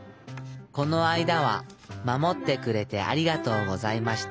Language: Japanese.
このあいだはまもってくれてありがとうございました。